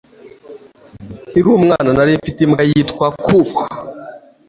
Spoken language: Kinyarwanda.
Nkiri umwana nari mfite imbwa yitwa Cook